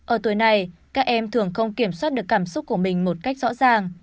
ở tuổi này các em thường không kiểm soát được cảm xúc của mình một cách rõ ràng